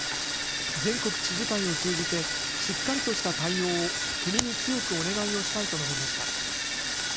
全国知事会を通じて、しっかりとした対応を国に強くお願いをしたいと述べました。